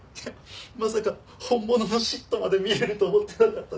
まさか本物のＳＩＴまで見れると思ってなかったんでつい。